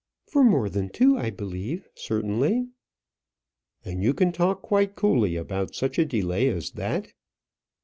"For more than two, I believe, certainly." "And you can talk quite coolly about such a delay as that?"